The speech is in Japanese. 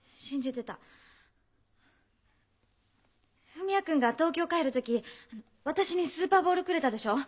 文也君が東京帰る時私にスーパーボールくれたでしょう。